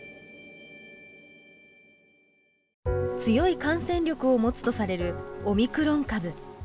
強い感染力を持つとされるオミクロン株。